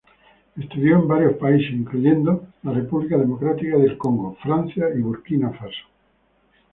Estudió en varios países, incluyendo la República Democrática de Congo, Francia, y Burkina Faso.